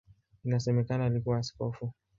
Inasemekana alikuwa askofu.